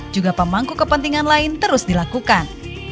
juga pemangku kepentingan lain terus dilakukan